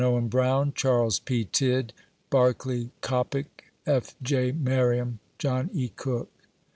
OWEN BROWN, CHARLES P. 'HDD, BARCLAY C0PPIC, F. J. MERRIAM, JOHN E. COOK.